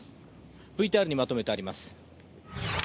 ＶＴＲにまとめてあります。